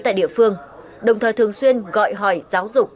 tại địa phương đồng thời thường xuyên gọi hỏi giáo dục